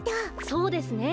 そうですね。